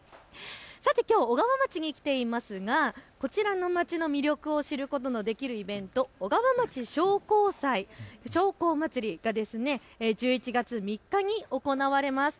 さて、きょう小川町に来ていますがこちらの町の魅力を知ることのできるイベント、小川町商工祭が１１月３日に行われます。